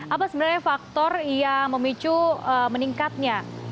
apa sebenarnya faktor yang memicu meningkatnya